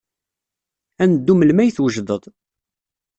Ad neddu melmi ay t-wejded.